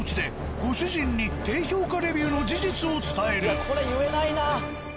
いやこれ言えないな。